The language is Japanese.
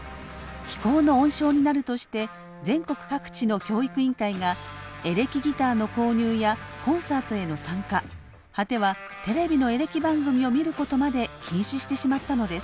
非行の温床になるとして全国各地の教育委員会がエレキギターの購入やコンサートへの参加果てはテレビのエレキ番組を見ることまで禁止してしまったのです。